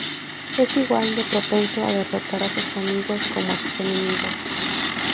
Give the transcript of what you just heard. Es igual de propenso a derrotar a sus amigos como a sus enemigos.